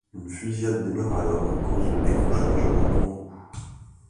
Une fusillade démarre alors et cause le décrochage de la Grande roue.